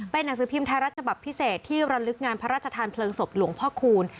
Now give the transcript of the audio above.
หนังสือพิมพ์ไทยรัฐฉบับพิเศษที่ระลึกงานพระราชทานเพลิงศพหลวงพ่อคูณ